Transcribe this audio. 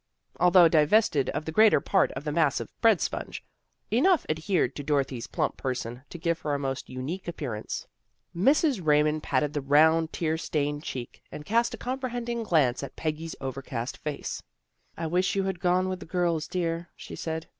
Although divested of the greater part of the mass of bread sponge, enough adhered to Dorothy's plump person, to give her a most unique appearance. Mrs. MAKING FRIENDS 41 Raymond patted the round, tear stained cheek, and cast a comprehending glance at Peggy's overcast face. " I wish you had gone with the girls, dear," she said.